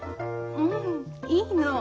うんいいの。